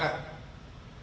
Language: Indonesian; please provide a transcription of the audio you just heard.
saya tidak melanggar ham